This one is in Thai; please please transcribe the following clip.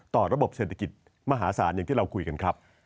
ระบบเศรษฐกิจมหาศาลอย่างที่เราคุยกันครับ